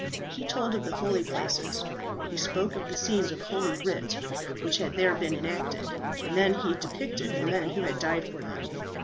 He told of the holy places, he spoke of the scenes of Holy Writ, which had there been enacted; and then he depicted the men who had died for them.